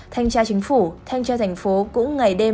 thanh tra chính phủ thanh tra thành phố cũng ngày đêm